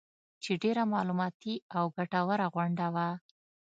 چې ډېره معلوماتي او ګټوره غونډه وه